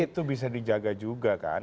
jadi itu bisa dijaga juga kan